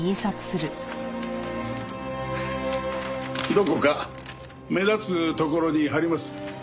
どこか目立つ所に貼ります。